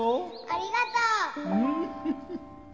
ありがとう！